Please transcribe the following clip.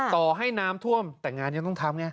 ต่อให้น้ำท่วมแต่งานยังต้องทำไง